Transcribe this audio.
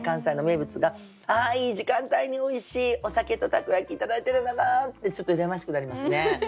あいい時間帯においしいお酒とたこ焼き頂いてるんだなってちょっと羨ましくなりますね。